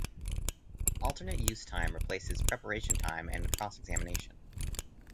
Alternate use time replaces preparation time and cross-examination.